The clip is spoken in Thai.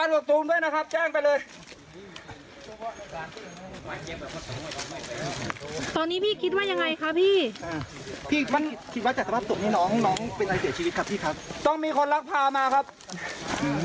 น้องเป็นอะไรเกี่ยวชีวิตครับพี่ครับต้องมีคนรักภามาครับอืม